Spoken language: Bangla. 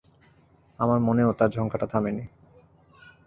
আমার মনেও তার ঝংকারটা থামে নি।